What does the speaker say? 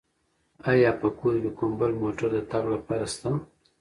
آیا په کور کې کوم بل موټر د تګ لپاره شته؟